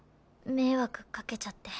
迷惑かけちゃって。